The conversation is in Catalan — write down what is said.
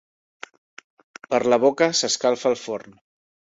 Per la boca s'escalfa el forn.